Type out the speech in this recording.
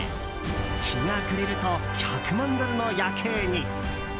日が暮れると１００万ドルの夜景に。